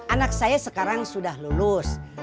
anak saya sekarang sudah lulus